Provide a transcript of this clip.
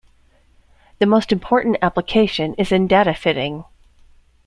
The most important application is in data fitting.